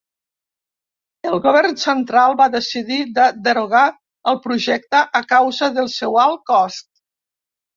El govern central va decidir de derogar el projecte a causa del seu alt cost.